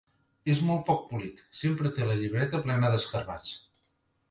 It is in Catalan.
És molt poc polit, sempre té la llibreta plena d'escarabats.